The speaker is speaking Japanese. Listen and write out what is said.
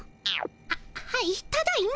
あっはいただいま。